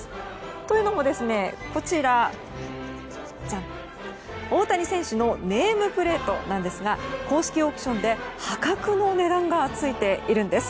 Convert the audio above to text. というのも、大谷選手のネームプレートなんですが公式オークションで破格の値段がついているんです。